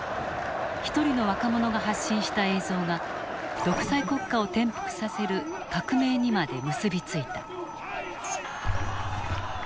一人の若者が発信した映像が独裁国家を転覆させる革命にまで結び付いた。